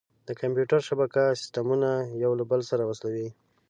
د کمپیوټر شبکه سیسټمونه یو له بل سره وصلوي.